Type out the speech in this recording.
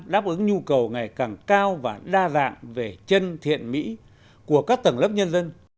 đáp ứng nhu cầu ngày càng cao và đa dạng về chân thiện mỹ của các tầng lớp nhân dân